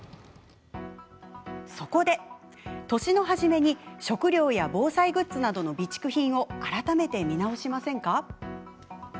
そこで、年の初めに食料や防災グッズなどの備蓄品を改めて見直しませんか？